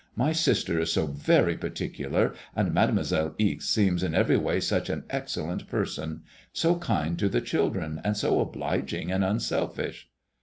My sister is so very particular, and Mademoiselle Ixe seems in every way such an excellent person ; so kind to the children, and so obliging and un selfish.'